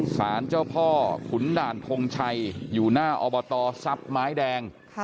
สารเจ้าพ่อขุนด่านทงชัยอยู่หน้าอบตทรัพย์ไม้แดง